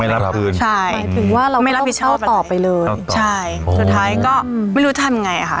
ไม่รับพื้นใช่หมายถึงว่าเราก็ต้องเต้าต่อไปเลยใช่สุดท้ายก็ไม่รู้จะทำไงค่ะ